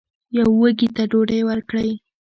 یو وږي ته ډوډۍ ورکړئ.